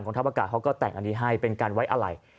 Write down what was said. ทัพอากาศเขาก็แต่งอันนี้ให้เป็นการไว้อะไร